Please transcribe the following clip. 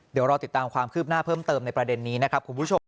เดี๋ยวรอติดตามความคืบหน้าเพิ่มเติมในประเด็นนี้นะครับคุณผู้ชม